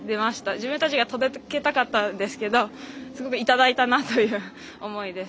自分たちが届けたかったんですけどすごくいただいたなという思いです。